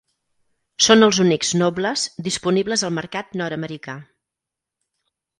Són els únics Nobles disponibles al mercat nord-americà.